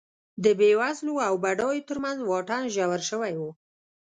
د بېوزلو او بډایو ترمنځ واټن ژور شوی و